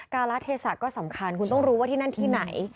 การละเทศะก็สำคัญคุณต้องรู้ว่าที่นั่นที่ไหน